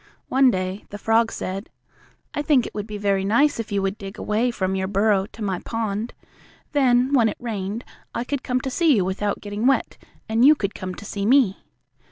One day the frog said: "I think it would be very nice if you would dig a way from your burrow to my pond. Then, when it rained, I could come to see you without getting wet, and you could come to see me."